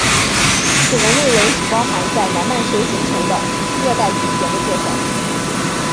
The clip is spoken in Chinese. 此文内容只包含在南半球形成的热带气旋的介绍。